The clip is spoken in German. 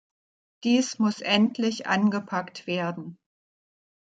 Dies muss endlich angepackt werden.